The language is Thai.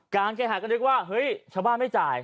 การไข้ห้าก็เรียกว่าเฮ้ยชาวบ้านไม่จ่าย